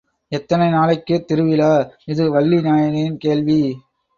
எத்தனை நாளைக்குத் திருவிழா? இது வள்ளி நாயகியின் கேள்வி.